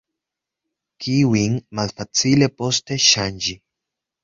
Kiujn malfacile poste ŝanĝi.